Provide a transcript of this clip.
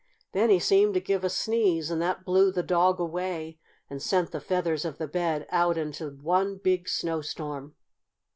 Then he seemed to give a sneeze and that blew the dog away and sent the feathers of the bed out into one big snowstorm!